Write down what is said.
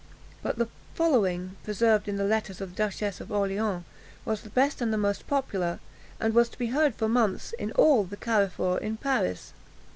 But the following, preserved in the letters of the Duchess of Orleans, was the best and the most popular, and was to be heard for months in all the carrefours in Paris.